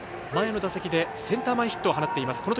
前の打席でセンター前ヒットを放っています。